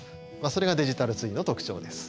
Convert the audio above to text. それがデジタルツインの特徴です。